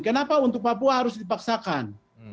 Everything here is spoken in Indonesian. kenapa untuk papua harus dipaksakan